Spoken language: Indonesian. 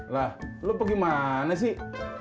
lah lo pergi mana sih